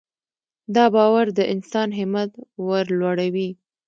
دا باور د انسان همت ورلوړوي.